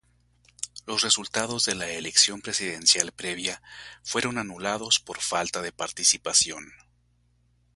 Los resultados de la elección presidencial previa fueron anulados por falta de participación.